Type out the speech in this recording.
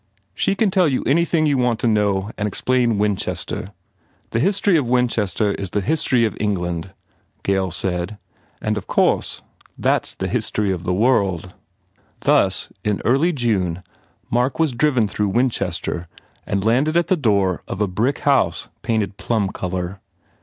"She can tell you anything you want to know and explain Winchester. The history of Win chester is the history of England," Gail said, "and, of course, that s the history of the world." 28 HE PROGRESSES Thus, in early June, Mark was driven through Winchester and landed at the door of a brick house painted plum colour.